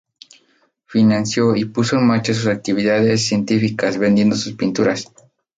Financió y puso en marcha sus actividades científicas vendiendo sus pintura.